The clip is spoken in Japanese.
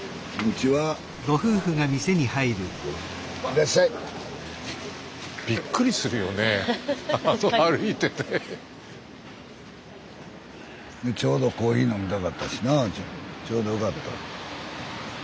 ちょうどコーヒー飲みたかったしなちょうどよかった。